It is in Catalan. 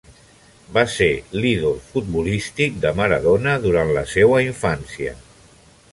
Va ser l'ídol futbolístic de Maradona durant la seua infància.